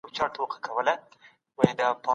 پيغمبر د حقونو ساتنه کوله.